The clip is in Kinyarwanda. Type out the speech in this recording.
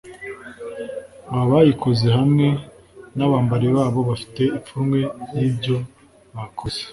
abayikoze hamwe n’abambari babo bafite ipfunwe ry’ibyo bakoze